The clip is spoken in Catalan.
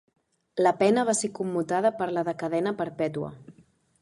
La pena va ser commutada per la de cadena perpètua.